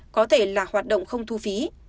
có thể là hoạt động không thu phí